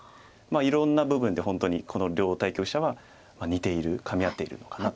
いろんな部分で本当にこの両対局者は似ているかみ合っているのかなと。